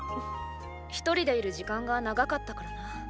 一人でいる時間が長かったからな。